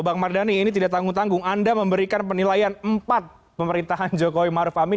bang mardhani ini tidak tanggung tanggung anda memberikan penilaian empat pemerintahan jokowi maruf amin